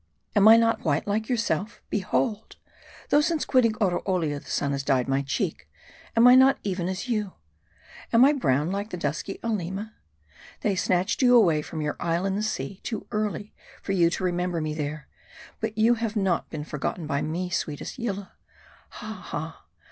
Am I not white like yourself ? Behold, though since quitting Oroolia the sun has dyed my cheek, am I not even as you ? Am I brown like the dusky Aleema ? They snatched you away from your isle in the sea, too early for 172 M A R D I. you to remember me there. But you have not been forgot ten by me, sweetest Yillah. Ha ! ha